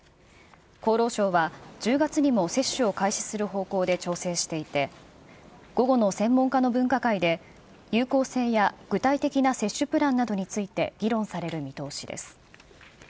厚労省は１０月にも接種を開始する方向で調整していて、午後の専門家の分科会で有効性や具体的な接種プランなどについて、議論される見通しです。